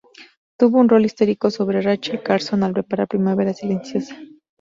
Tuvo un rol histórico sobre Rachel Carson al preparar "Primavera silenciosa".